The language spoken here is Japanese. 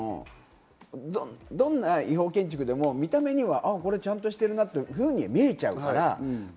どんな違法建築でも見た目にはちゃんとしてるなっていうふうに見えちゃうから。